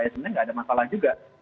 tapi sebenarnya tidak ada masalah juga